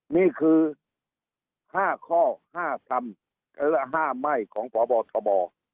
นี่คือ๕ข้อ๕ทำและ๕ไม่ของพบทบ